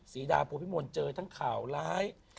ศรีดาโพพิมลเจอทั้งข่าวร้าย